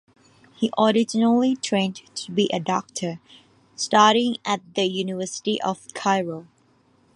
He originally trained to be a doctor, studying at the University of Cairo.